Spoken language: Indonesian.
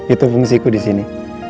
itu fungsi ku disini